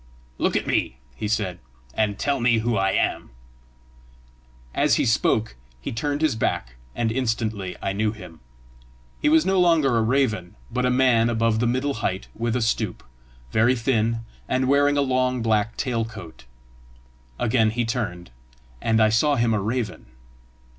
"Look at me," he said, "and tell me who I am." As he spoke, he turned his back, and instantly I knew him. He was no longer a raven, but a man above the middle height with a stoop, very thin, and wearing a long black tail coat. Again he turned, and I saw him a raven.